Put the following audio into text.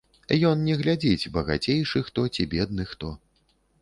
Ён не глядзіць, багацейшы хто ці бедны хто.